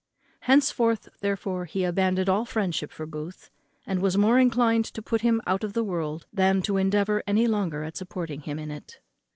Henceforth, therefore, he abandoned all friendship for Booth, and was more inclined to put him out of the world than to endeavour any longer at supporting him in it.